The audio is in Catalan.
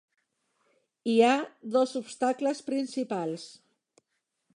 Hi ha dos obstacles principals.